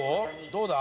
どうだ？」